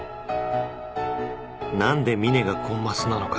何で峰がコンマスなのか？